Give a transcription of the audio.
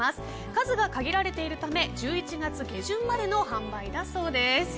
数が限られているため１１月下旬までの販売だそうです。